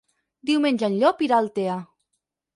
Diumenge en Llop irà a Altea.